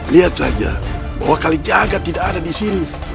lihat saja bahwa kalijaga tidak ada di sini